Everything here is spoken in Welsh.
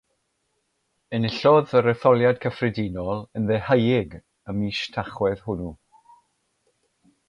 Enillodd yr etholiad cyffredinol yn ddeheuig y mis Tachwedd hwnnw.